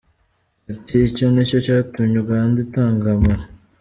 Ati icyo nicyo cyatumye Uganda itengamara.